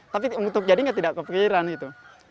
tapi untuk jadinya tidak kepikiran itu